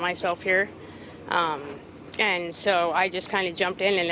kami tahu bahwa ada banyak yang berlaku di sana